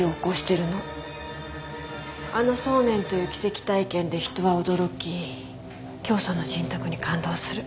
あの送念という奇跡体験で人は驚き教祖の人徳に感動する。